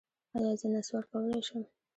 ایا زه نسوار کولی شم؟